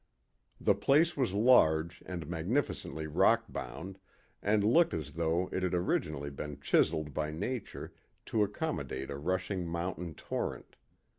The place was large and magnificently rock bound, and looked as though it had originally been chiseled by Nature to accommodate a rushing mountain torrent.